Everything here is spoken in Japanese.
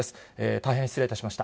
大変失礼いたしました。